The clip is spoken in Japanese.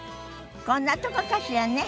こんなとこかしらね。